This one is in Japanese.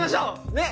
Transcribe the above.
ねえ！